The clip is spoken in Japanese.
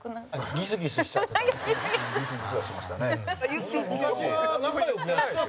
ギスギスしちゃってた。